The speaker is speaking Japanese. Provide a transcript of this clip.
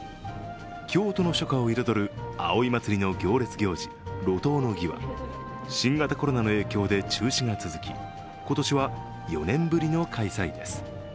京都の初夏を彩る葵祭の行列行事、路頭の儀は新型コロナの影響で中止が続き今年は４年ぶりの開催です。